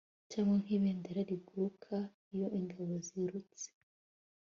Cyangwa nkibendera riguruka iyo ingabo zirutse